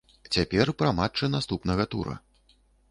Цяпер пра матчы наступнага тура.